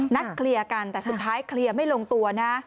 นัดเคลียร์กันแต่สุดท้ายเคลียร์ไม่ลงตัวนะ